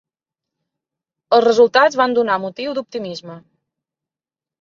Els resultats van donar motiu d'optimisme.